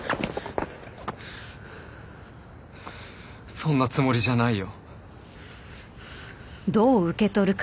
そんなつもりじゃないよ。